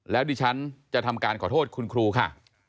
แล้วดิฉันจะทำการขอโทษคุณครูค่ะ